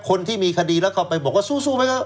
คนที่มีคดีแล้วก็ไปบอกว่าสู้ไหมครับ